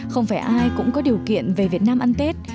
không phải ai cũng có điều kiện về việt nam ăn tết